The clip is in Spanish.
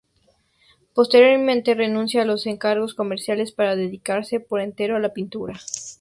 Posteriormente, renunció a los encargos comerciales para dedicarse por entero a la pintura.